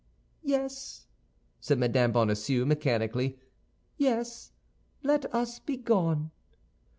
"Yes," said Mme. Bonacieux, mechanically, "yes, let us be gone."